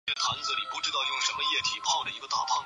金朝废。